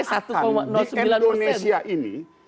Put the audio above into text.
seakan akan di indonesia ini